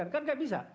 kan tidak bisa